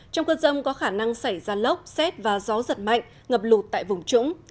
trong cơn rông có khả năng xảy ra lốc xét và gió giật mạnh ngập lụt tại vùng trũng